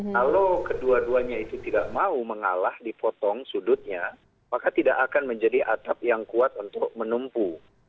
kalau kedua duanya itu tidak mau mengalah dipotong sudutnya maka tidak akan menjadi atap yang kuat untuk menumpu